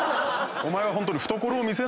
お前はホントに。